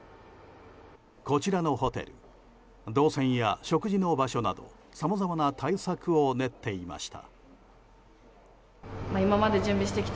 こちらのホテル動線や食事の場所などさまざまな対策を練っていました。